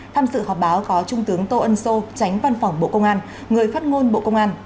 tham dự họp báo có trung tướng tô ân sô tránh văn phòng bộ công an người phát ngôn bộ công an